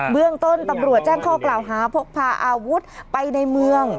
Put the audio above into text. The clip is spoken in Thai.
เรื่องต้นตำรวจแจ้งข้อกล่าวหาพกพาอาวุธไปในเมือง